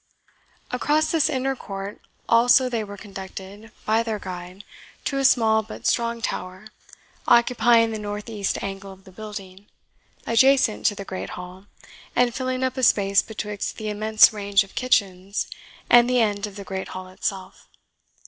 Across this inner court also they were conducted by their guide to a small but strong tower, occupying the north east angle of the building, adjacent to the great hall, and filling up a space betwixt the immense range of kitchens and the end of the great hall itself.